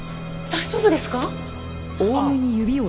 大丈夫ですか？